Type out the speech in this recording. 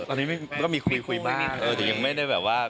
ตอนนี้มันก็มีคุยบ้างนะ